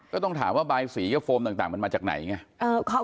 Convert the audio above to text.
ก็ต้องถามว่าบายสีกับโฟมต่างมันมาจากไหนไง